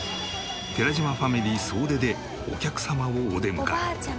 寺島ファミリー総出でお客様をお出迎え。